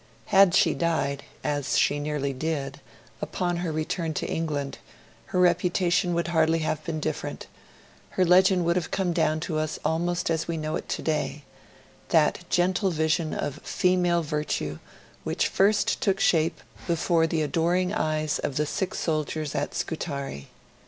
Had she died as she nearly did upon her return to England, her reputation would hardly have been different; her legend would have come down to us almost as we know it today that gentle vision of female virtue which first took shape before the adoring eyes of the sick soldiers at Scutari.